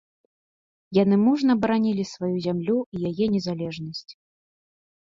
Яны мужна баранілі сваю зямлю і яе незалежнасць.